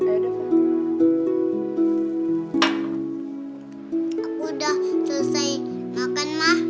udah selesai makan ma